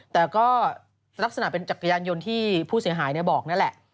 แต่ก็ลักษณะเป็นจักรยานยนต์ที่ผู้เสียหายบอกนั่นแหละ